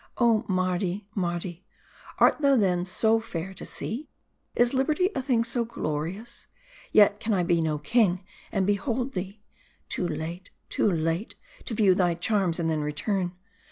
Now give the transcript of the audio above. Oh Mar 260 MARDI. di ! Mardi ! art thou then so fair to see ? Is liberty a thing so glorious ? Yet can I be no king, and behold thee ! Too late, too late, to view thy charms and then return.